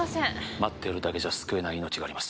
待ってるだけじゃ救えない命があります